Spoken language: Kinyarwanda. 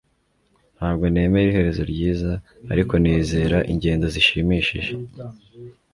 Ntabwo nemera iherezo ryiza, ariko nizera ingendo zishimishije,